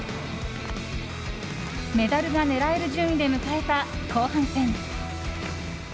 メダルが狙える順位で迎えた後半戦。